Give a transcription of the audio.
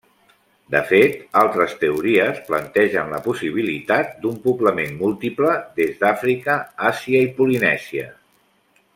De fet, altres teories plantegen la possibilitat d'un poblament múltiple, des d'Àfrica, Àsia i Polinèsia.